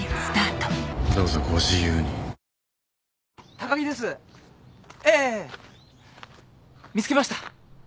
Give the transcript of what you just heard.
高木ですええ見つけました。